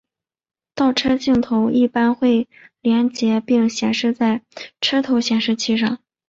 倒车镜头一般会连结并显示在车头显示器上。